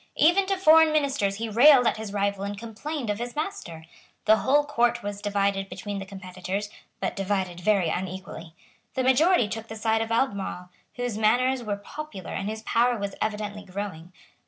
Even to foreign ministers he railed at his rival and complained of his master. The whole Court was divided between the competitors, but divided very unequally. The majority took the side of Albemarle, whose manners were popular and whose power was evidently growing.